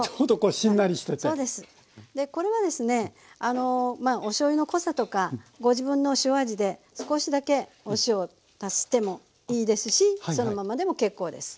でこれはですねおしょうゆの濃さとかご自分の塩味で少しだけお塩を足してもいいですしそのままでも結構です。